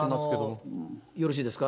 これ、よろしいですか？